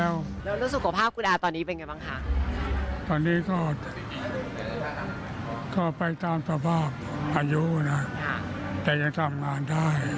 วันนี้ก็ไปตามสภาพอายุนะยังทำงานได้